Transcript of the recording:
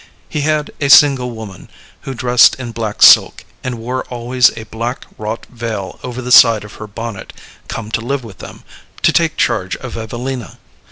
He had a single woman, who dressed in black silk, and wore always a black wrought veil over the side of her bonnet, come to live with them, to take charge of Evelina.